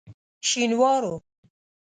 شینوارو.